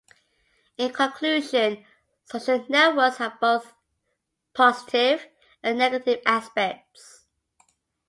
In conclusion, social networks have both positive and negative aspects.